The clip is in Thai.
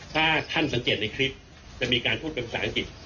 ถ้าท่านสังเกตในคลิปจะมีการพูดเป็นภาษาอังกฤษ